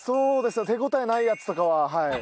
手応えないやつとかははい。